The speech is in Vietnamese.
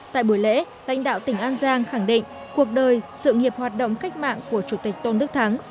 tại buổi lễ lãnh đạo tỉnh an giang khẳng định cuộc đời sự nghiệp hoạt động cách mạng của chủ tịch tôn đức thắng